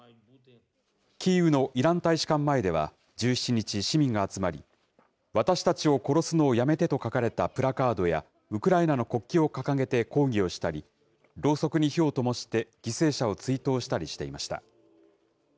キーウのイラン大使館前では、１７日、市民が集まり、私たちを殺すのをやめてと書かれたプラカードや、ウクライナの国旗を掲げて抗議をしたり、ろうそくに火をともして犠牲者を追悼したりしていました。